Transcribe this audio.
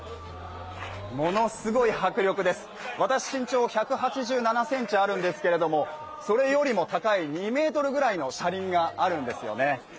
ものすごい迫力です、私、身長１８７ｃｍあるんですが、それよりも高い２ｍぐらいの車輪があるんですよね。